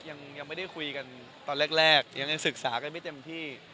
ยังไม่ได้คุยกันตอนแรกยังศึกษากันไม่เต็มที่